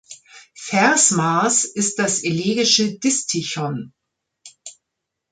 Versmaß ist das elegische Distichon.